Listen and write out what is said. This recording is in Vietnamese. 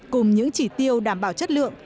cùng những chỉ tiêu đảm bảo chất lượng